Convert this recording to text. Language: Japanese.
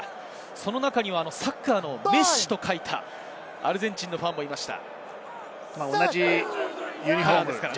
その中にはサッカーのメッシと書いたアルゼンチンのファンもいました。